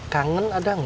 kangen ada ga